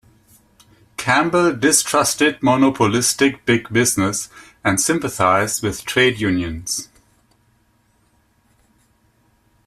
Campbell distrusted monopolistic big business and sympathized with trade unions.